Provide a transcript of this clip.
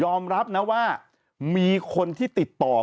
ผมก็กล้ายืนยันว่าไม่มีลองฟังพี่หนุ่มชี้แจงดูนะฮะ